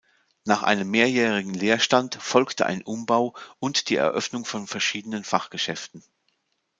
Nach einem mehrjährigen Leerstand folgte ein Umbau und die Eröffnung von verschiedenen Fachgeschäften.